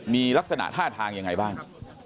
มีลักษณะท่าทางยังไงบ้าง